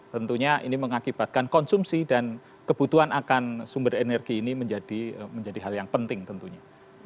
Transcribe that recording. tentunya ini mengakibatkan konsumsi dan kebutuhan akan sumber energi ini menjadi hal yang penting tentunya